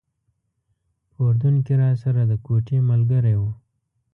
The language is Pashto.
په اردن کې راسره د کوټې ملګری و.